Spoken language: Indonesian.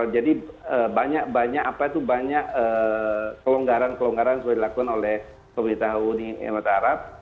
jadi banyak banyak apa itu banyak kelonggaran kelonggaran sudah dilakukan oleh pemerintah uni emirates arab